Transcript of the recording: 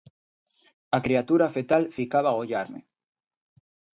A criatura fetal ficaba a ollarme.